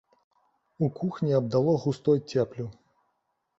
У кухні абдало густой цеплю.